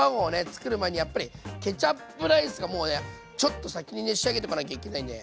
つくる前にやっぱりケチャップライスがもうちょっと先にね仕上げとかなきゃいけないんで。